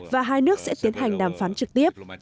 và hai nước sẽ tiến hành đàm phán trực tiếp